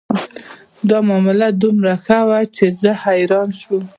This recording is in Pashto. دا معامله دومره ښه وه چې زه حیرانه شوم